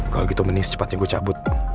kalau gitu meni secepatnya gue cabut